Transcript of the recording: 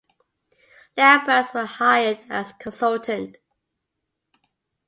Lee Abrams was hired as consultant.